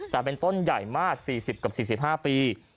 แต่เป็นต้นใหญ่มาก๔๐กับ๔๕ปี